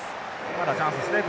まだチャンスですね